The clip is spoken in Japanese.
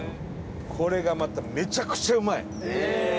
これがまためちゃくちゃうまい！